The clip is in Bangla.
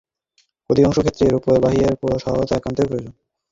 অধিকাংশ ক্ষেত্রে এরূপ বাহিরের সহায়তা একান্তই প্রয়োজন।